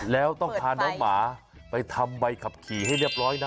แล้วต้องพาน้องหมาไปทำใบขับขี่ให้เรียบร้อยนะ